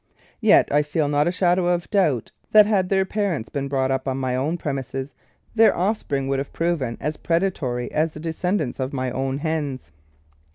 Yet I feel not a shadow of a doubt that had their parents been brought up on my own premises their offspring would have proven as predatory as the descendants of my own hens.